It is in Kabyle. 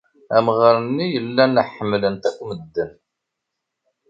Amɣar-nni llan ḥemmlen-t akk medden.